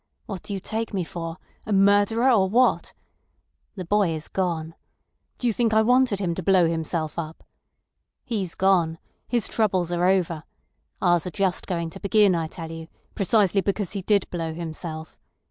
What do you take me for—a murderer, or what? The boy is gone. Do you think I wanted him to blow himself up? He's gone. His troubles are over. Ours are just going to begin, I tell you, precisely because he did blow himself.